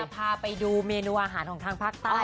พาไปดูเมนูอาหารของทางภาคใต้